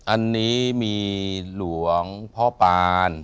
อันนี้มีหลวงพ่อปาน